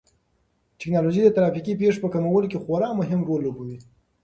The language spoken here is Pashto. ټیکنالوژي د ترافیکي پېښو په کمولو کې خورا مهم رول لوبوي.